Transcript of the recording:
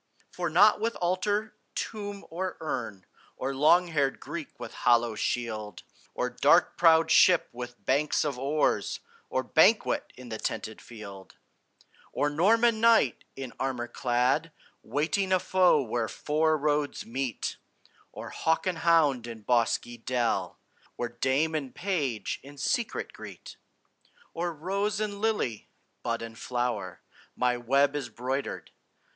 For not with altar, tomb, or urn, Or long haired Greek with hollow shield, Or dark prowed ship with banks of oars, Or banquet in the tented field; Or Norman knight in armor clad, Waiting a foe where four roads meet; Or hawk and hound in bosky dell, Where dame and page in secret greet; Or rose and lily, bud and flower, My web is broidered.